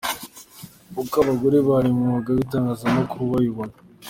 Uko abagore bari mu mwuga w’itangazamakuru babibona.